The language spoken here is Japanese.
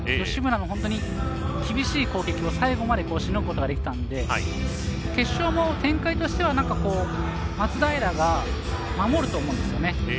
吉村の本当に厳しい攻撃を最後までしのぐことができたので決勝も、展開としては松平が守ると思うんですよね。